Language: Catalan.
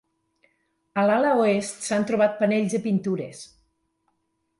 A l'ala oest, s'han trobat panells de pintures.